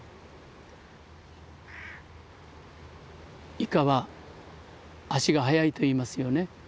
イカは足が早いといいますよね。